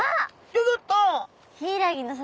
ギョギョッと！